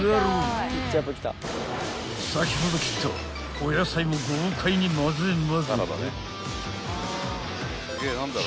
［先ほど切ったお野菜も豪快にまぜまぜ］